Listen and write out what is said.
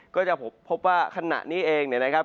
ก็จะพบว่าขณะนี้เองเนี่ยนะครับ